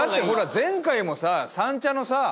前回もさ三茶のさ